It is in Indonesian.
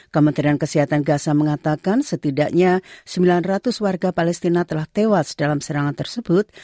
kementerian kesehatan gaza mengatakan setidaknya sembilan ratus warga palestina telah tewas dalam serangan tersebut